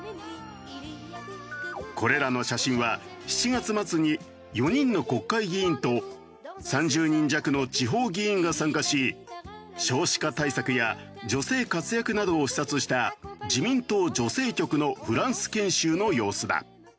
これらの写真は７月末に４人の国会議員と３０人弱の地方議員が参加し少子化対策や女性活躍などを視察した自民党女性局のフランス研修の様子だ。